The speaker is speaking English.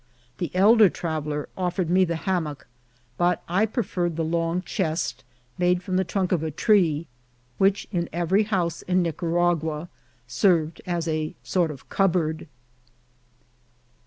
The elder traveller offered me the hammock, but I preferred the long chest, made from the trunk of a tree, which in every house in Nicaragua served as a sort of cupboard.